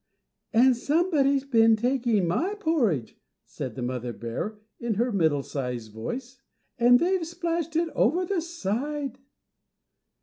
"+And somebody's been taking my porridge+," said the mother bear in her middle sized voice, "+and they've splashed it over the side+."